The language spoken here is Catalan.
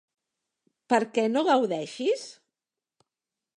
Per què no gaudeixis?